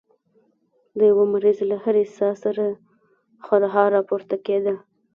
د يوه مريض له هرې ساه سره خرهار راپورته کېده.